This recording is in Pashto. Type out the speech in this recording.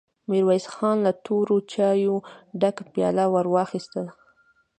ميرويس خان له تورو چايو ډکه پياله ور واخيسته.